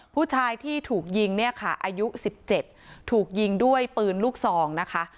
ผู้ชายที่ถูกยิงเนี่ยค่ะอายุ๑๗ถูกยิงด้วยปืนลูกซองนะคะ